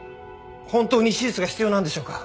本当に手術が必要なんでしょうか？